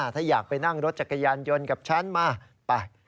ถ้าอยากไปนั่งรถจักรยานยนต์กับฉันมาไป